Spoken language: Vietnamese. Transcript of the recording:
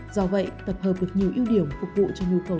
do vậy tập hợp được nhiều ưu điểm phục vụ cho nhu cầu